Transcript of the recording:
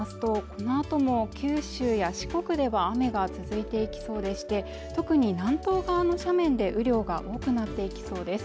このあとも九州や四国では雨が続いていきそうでして特に南東側の斜面で雨量が多くなっていきそうです